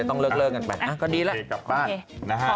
ก็เลยต้องเลิกเลิกกันไปอ่ะก็ดีแล้วโอเคกลับบ้านโอเค